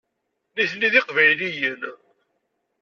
Nitni d Iqbayliyen.